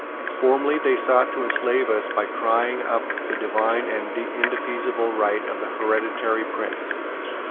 Formerly they sought to enslave us by crying up the divine and indefeasible right of the hereditary prince.